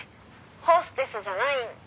「ホステスじゃないんで」